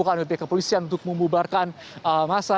bukan dari pihak kepolisian untuk membubarkan massa